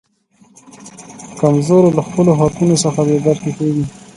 کمزورو له خپلو حقونو څخه بې برخې کیږي.